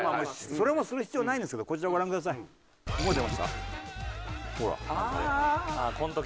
それもする必要ないんですけどこちらご覧ください。